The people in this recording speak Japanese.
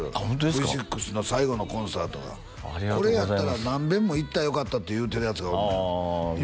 Ｖ６の最後のコンサートがこれやったら何べんも行ったらよかったって言うてるヤツがおんのよああ嬉しいっすね